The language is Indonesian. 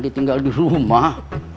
ditinggal di rumah